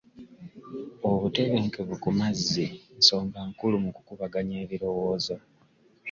Obutebenkevu ku mazzi nzonga nkulu mu kukubaganya birowoozo.